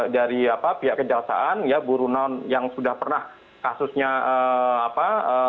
dari apa pihak kejaksaan ya burunon yang sudah pernah kasusnya apa